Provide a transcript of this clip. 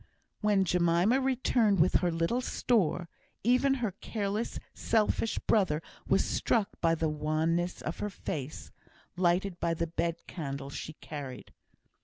When Jemima returned with her little store, even her careless, selfish brother was struck by the wanness of her face, lighted by the bed candle she carried.